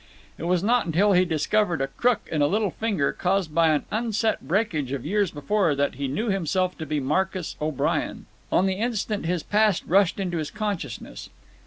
It was not until he discovered a crook in a little finger, caused by an unset breakage of years before, that he knew himself to be Marcus O'Brien. On the instant his past rushed into his consciousness.